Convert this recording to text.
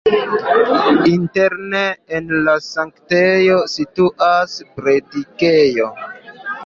Interne en la sanktejo situas la predikejo.